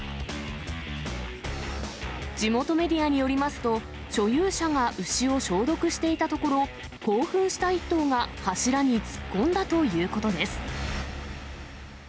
地元メディアによりますと、所有者が牛を消毒していたところ、興奮した１頭が柱に突っ込んだということです。